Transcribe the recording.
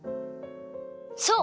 そう！